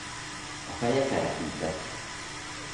A feje kerekített.